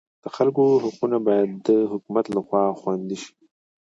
د خلکو حقونه باید د حکومت لخوا خوندي شي.